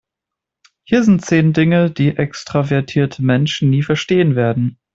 Hier sind zehn Dinge, die extravertierte Menschen nie verstehen werden.